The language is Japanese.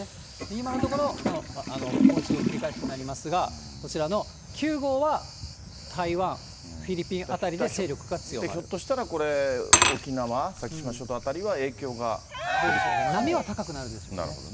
今のところもう一度繰り返しになりますが、こちらの９号は台湾、ひょっとしたらこれ、沖縄、どうでしょうか、波は高くなるでしょうね。